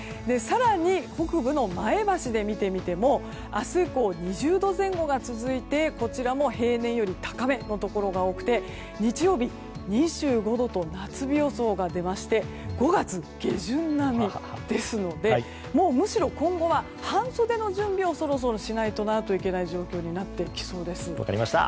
更に、北部の前橋で見てみても明日以降、２０度前後が続いてこちらも平年より高めのところが多くて日曜日、２５度と夏日予想が出まして５月下旬並みですのでもうむしろ今後は半袖の準備をそろそろしないといけない状況になってきそうです。